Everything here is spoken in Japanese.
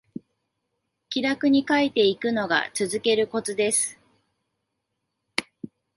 気楽に書いていくのが続けるコツです